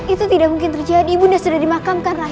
itu tidak mungkin terjadi ibunda sudah dimakamkan lah